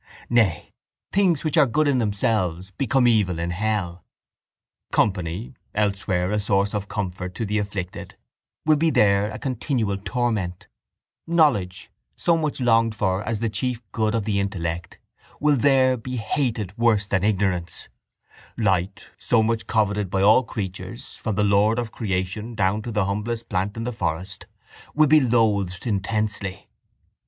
Nay, things which are good in themselves become evil in hell. Company, elsewhere a source of comfort to the afflicted, will be there a continual torment: knowledge, so much longed for as the chief good of the intellect, will there be hated worse than ignorance: light, so much coveted by all creatures from the lord of creation down to the humblest plant in the forest, will be loathed intensely.